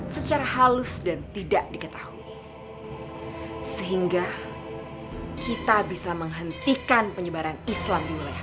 secara halus dan tidak diketahui sehingga kita bisa menghentikan penyebaran islam di wilayah